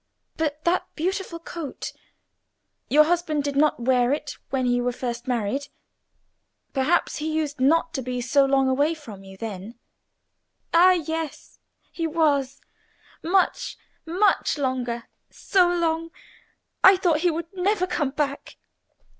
But that beautiful coat? your husband did not wear it when you were first married? Perhaps he used not to be so long away from you then?" "Ah, yes! he was. Much—much longer. So long, I thought he would never come back.